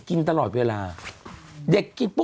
คุณหนุ่มกัญชัยได้เล่าใหญ่ใจความไปสักส่วนใหญ่แล้ว